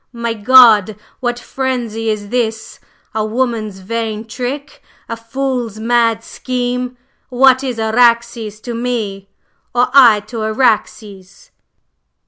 "My God! What frenzy is this! A woman's vain trick! a fool's mad scheme! What is Araxes to me? or I to Araxes?"